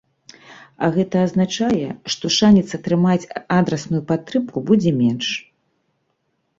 А гэта азначае, што шанец атрымаць адрасную падтрымку будзе менш.